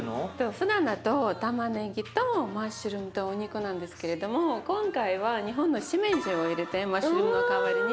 ふだんだとたまねぎとマッシュルームとお肉なんですけれども今回は日本のしめじを入れてマッシュルームの代わりに。